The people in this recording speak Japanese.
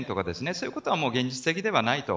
そういうことは現実的ではないと。